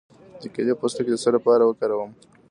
د کیلې پوستکی د څه لپاره وکاروم؟